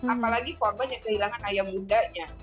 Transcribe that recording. apalagi korban yang kehilangan ayam bundanya